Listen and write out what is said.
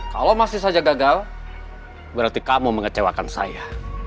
kalau masih saja gagal berarti kamu mengecewakan saya